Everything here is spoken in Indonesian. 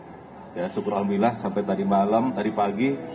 syukur allah sampai tadi malam tadi pagi